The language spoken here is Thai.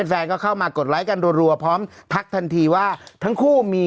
แฟนก็เข้ามากดกันรั่วรั่วพร้อมพรัคทันทีว่าทั้งคู่มี